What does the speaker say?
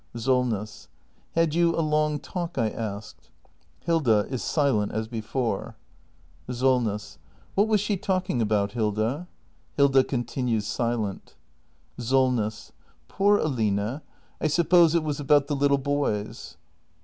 Solness. Had you a long talk, I asked ? [Hilda is silent as before. act in] THE MASTER BUILDER 399 SOLNESS. What was she talking about, Hilda? [Hilda continues silent. Solness. Poor Aline! I suppose it was about the little boys.